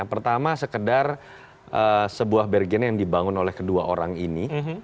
pertama sekedar sebuah bergen yang dibangun oleh kedua orang ini